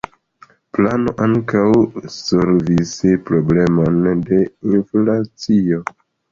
Plano ankaŭ solvis problemon de inflacio.